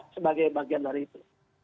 sebagai bagian dari itu